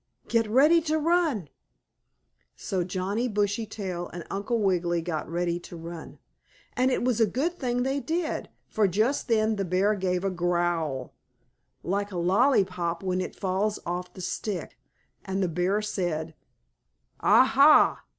Get ready to run!" So Johnnie Bushytail and Uncle Wiggily got ready to run. And it was a good thing they did, for just then the bear gave a growl, like a lollypop when it falls off the stick, and the bear said: "Ah, ha!